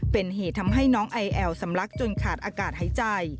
เป็นเหตุทำให้น้องไอแอลสำลักจนขาดอากาศหายใจ